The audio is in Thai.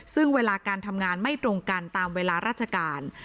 ซึ่งเวลาการทำงานไม่ตรงกันตามเวลาราชการ